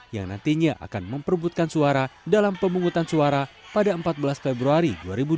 yang nantinya akan memperbutkan suara dalam pemungutan suara pada empat belas februari dua ribu dua puluh